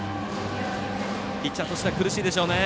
ピッチャーとしては苦しいでしょうね。